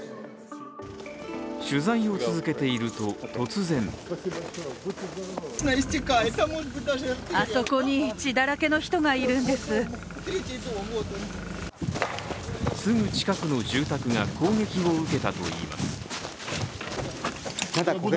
取材を続けていると、突然すぐ近くの住宅が攻撃を受けたといいます。